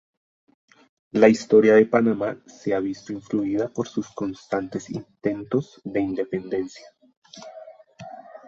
La historia de Panamá se ha visto influida por sus constantes intentos de independencia.